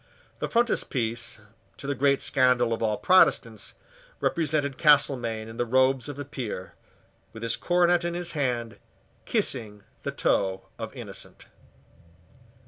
The frontispiece, to the great scandal of all Protestants, represented Castelmaine in the robes of a Peer, with his coronet in his hand, kissing the toe of Innocent.